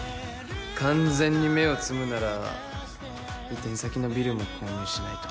完全に芽を摘むなら移転先のビルも購入しないと。